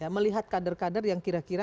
melihat kader kader yang kira kira